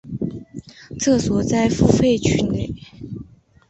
厕所在付费区内。